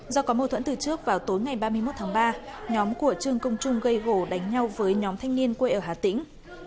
do có mâu thuẫn từ trước vào tối ngày ba mươi một tháng ba nhóm của trương công trung gây gỗ đánh nhau với nhóm thanh niên quê ở hà tĩnh